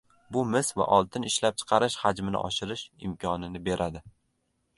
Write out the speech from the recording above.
Bu mis va oltin ishlab chiqarish hajmini oshirish imkonini beradi.